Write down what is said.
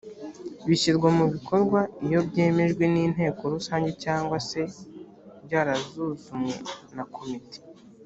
bishyirwa mu bikorwa iyo byemejwe n’inteko rusange cyangwa se byarasuzumwe na komite